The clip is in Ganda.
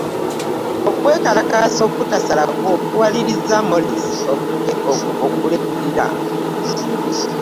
Okwekalakaasa okutasalako kuwalirizza Morales okulekulira